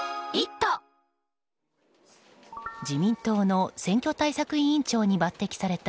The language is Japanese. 自民党の選挙対策委員長に抜擢された